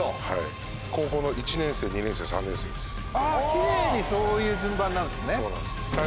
キレイにそういう順番なんですね。